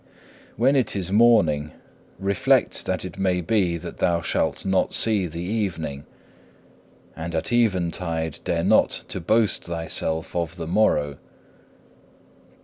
3. When it is morning reflect that it may be thou shalt not see the evening, and at eventide dare not to boast thyself of the morrow.